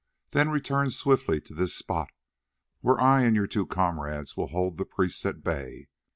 Then return swiftly to this spot where I and your two comrades will hold the priests at bay.